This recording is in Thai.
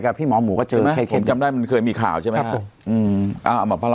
ค่ะไม่มีเพล